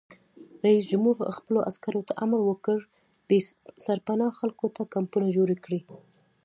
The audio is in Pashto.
رئیس جمهور خپلو عسکرو ته امر وکړ؛ بې سرپناه خلکو ته کمپونه جوړ کړئ!